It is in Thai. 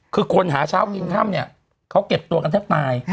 คือคนหาเช้ากินค่ำเนี่ยเขาเก็บตัวกันแทบตาย